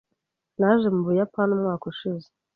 Naje mu Buyapani umwaka ushize.